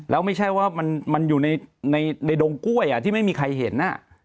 แล้วไม่ใช่ว่ามันอยู่ในดงกล้วยที่ไม่มีใครเห็น